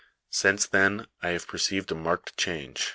Since then, I have perceived a marked change, in it.